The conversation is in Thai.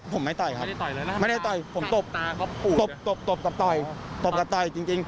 ผมไม่ปล่อยครับไม่ได้ปล่อยผมตบกับปล่อยจริง